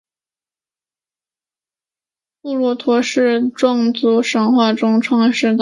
布洛陀是壮族神话中的创世大神和男始祖。